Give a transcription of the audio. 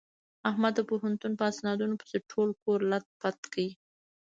احمد د پوهنتون په اسنادونو پسې ټول کور لت پت کړ.